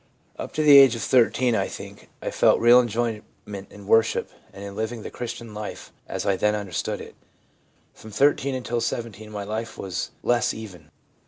' Up to the age of 13 I think I felt real enjoyment in worship and in living the Chris tian life as I then understood it. ... From 13 until 17 my life was less even.